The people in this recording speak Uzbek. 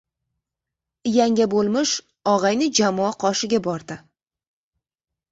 Yanga bo‘lmish og‘ayni-jamoa qoshiga bordi.